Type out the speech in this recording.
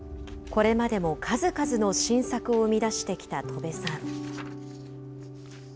これまでも数々の新作を生み出してきた戸部さん。